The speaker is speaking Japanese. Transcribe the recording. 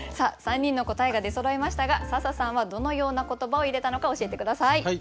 ３人の答えが出そろいましたが笹さんはどのような言葉を入れたのか教えて下さい。